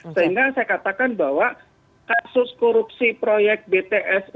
sehingga saya katakan bahwa kasus korupsi proyek bts